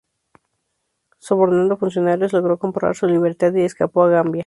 Sobornando a funcionarios, logró comprar su libertad y escapó a Gambia.